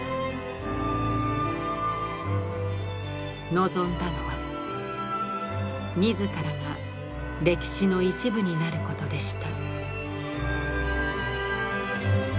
望んだのは自らが歴史の一部になることでした。